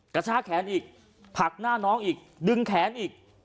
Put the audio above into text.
กระชากแขนอีกผลักหน้าน้องอีกดึงแขนอีก